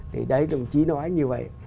thì đấy đồng chí nói như vậy